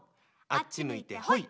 あっち向いてほい！